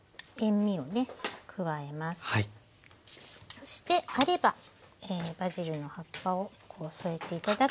そしてあればバジルの葉っぱを添えて頂くと。